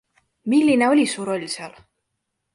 Milline oli su roll seal?